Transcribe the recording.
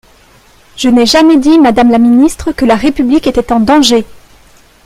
Je n’ai jamais dit, madame la ministre, que la République était en danger.